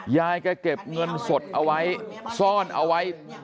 ยายแกเก็บเงินสดเอาไว้ซ่อนเอาไว้